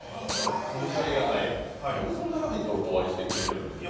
なんでそんなに「ラヴィット！」を愛してくれてるんでしょうか。